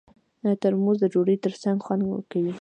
ترموز د ډوډۍ ترڅنګ خوند ورکوي.